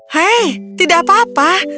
hei tidak apa apa